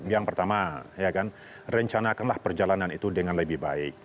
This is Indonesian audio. yang pertama rencanakanlah perjalanan itu dengan lebih baik